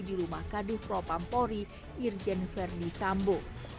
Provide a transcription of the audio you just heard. di rumah kadif propampori irjen verdi sambo